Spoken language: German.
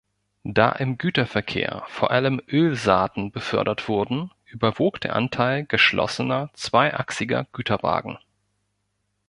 Da im Güterverkehr vor allem Ölsaaten befördert wurden, überwog der Anteil geschlossener zweiachsiger Güterwagen.